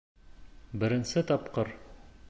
Беренсе тапҡыр.